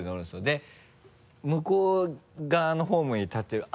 で向こう側のホームに立ってる。